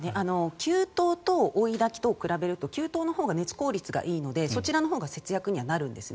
給湯と追いだきを比べると給湯のほうが熱効率がいいのでそちらのほうが節約にはなるんですね。